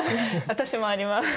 私もあります。